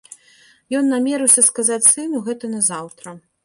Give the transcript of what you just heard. Ён намерыўся сказаць сыну гэта назаўтра.